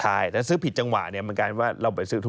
ใช่แต่ซื้อผิดจังหวะเนี่ยมันกลายเป็นว่า